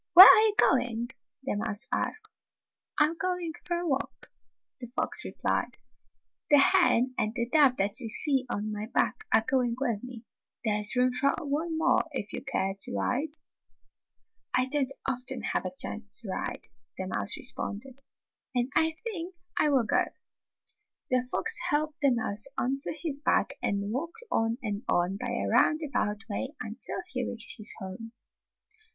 "Where are you going?" the mouse asked. "I 'm going for a walk," the fox replied. "The hen and the dove that you see on my back are going with me. There 's room for one more if you care to ride." "I don't often have a chance to ride," the mouse responded, "and I think I will The fox helped the mouse onto his back and walked on and on by a roundabout way until he reached his home.